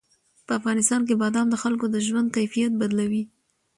په افغانستان کې بادام د خلکو د ژوند کیفیت بدلوي.